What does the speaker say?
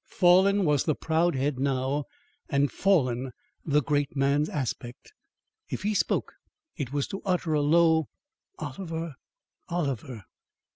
Fallen was the proud head now and fallen the great man's aspect. If he spoke it was to utter a low "Oliver! Oliver!"